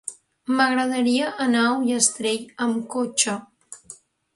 M'agradaria anar a Ullastrell amb cotxe.